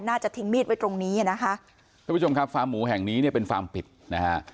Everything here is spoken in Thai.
น่าจะทิ้งมีดไว้ตรงนี้อ่ะนะคะทุกผู้ชมครับฟาร์มหมูแห่งนี้เนี่ยเป็นฟาร์มปิดนะฮะ